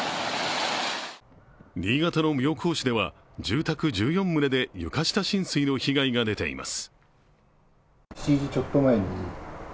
新潟の妙高市では住宅１４棟で床下浸水の被害が出ています。